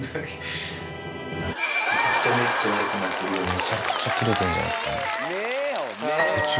めちゃくちゃキレてんじゃないですか。